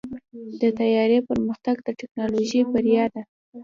د طیارې پرمختګ د ټیکنالوژۍ بریا ده.